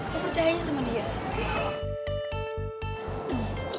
gue percayanya sama dia oke